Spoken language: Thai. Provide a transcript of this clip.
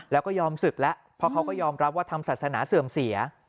แล้วก็ยอมศึกแล้วเพราะเขาก็ยอมรับว่าทำศาสนาเสื่อมเสีย